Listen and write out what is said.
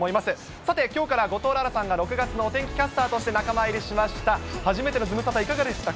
さて、きょうから後藤楽々さんがお天気キャスターとして仲間入りしました。